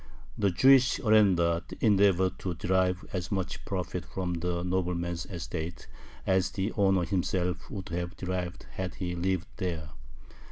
The Jewish arendar endeavored to derive as much profit from the nobleman's estate as the owner himself would have derived had he lived there.